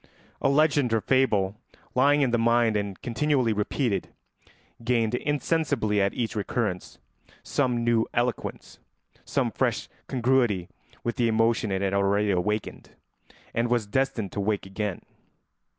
A legend or fable lying in the mind and continually repeated gained insensibly at each recurrence some new eloquence, some fresh congruity with the emotion it had already awakened, and was destined to awake again.